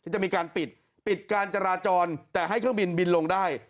จะมีการปิดปิดการจราจรแต่ให้เครื่องบินบินลงได้